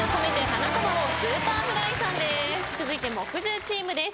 続いて木１０チームです。